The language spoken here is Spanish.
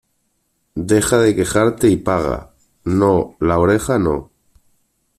Deja de quejarte y paga. No, la oreja no .